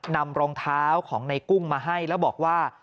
นำรองเท้าของในกุ้งมาให้แล้วบอกว่า